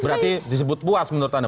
berarti disebut puas menurut anda